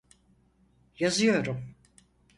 Yazıyorum.